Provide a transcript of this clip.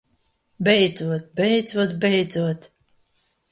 Beidzot! Beidzot! Beidzot!